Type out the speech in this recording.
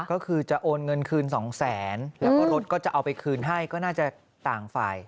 ก็คือจะโอนเงินคืนสองแสนแล้วก็รถก็จะเอาไปคืนให้ก็น่าจะต่างฝ่าย